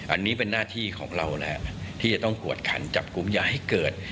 อันนี้เป็นหน้าที่ของเรานะฮะที่จะต้องกวดขันจับกลุ่มอย่าให้เกิด